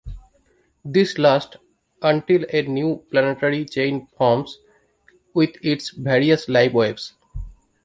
This lasts until a new planetary chain forms with its various life waves.